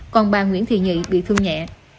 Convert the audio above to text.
còn bà nguyễn thị nhị bị thương nhẹ